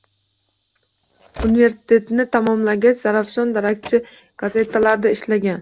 Universitetni tamomlagach, Zarafshon, Darakchi gazetalarida ishlagan